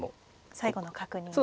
最後の確認ですか。